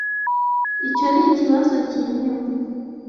Icyo nikibazo cyemewe.